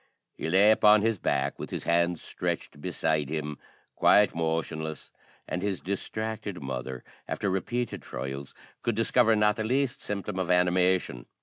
He lay upon his back, with his hands stretched beside him, quite motionless; and his distracted mother, after repeated trials, could discover not the least symptom of animation.